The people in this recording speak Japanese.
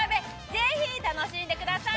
ぜひ楽しんでください。